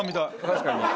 確かに。